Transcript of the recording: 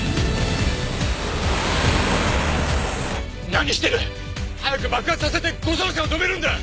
何してる！早く爆発させて護送車を止めるんだ！